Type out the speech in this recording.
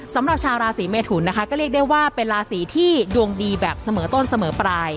สำหรับชาวราศีเมทุนนะคะก็เรียกได้ว่าเป็นราศีที่ดวงดีแบบเสมอต้นเสมอปลาย